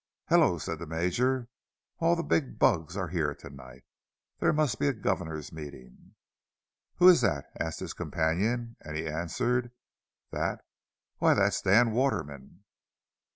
"Hello!" said the Major. "All the big bugs are here to night. There must be a governors' meeting." "Who is that?" asked his companion; and he answered, "That? Why, that's Dan Waterman."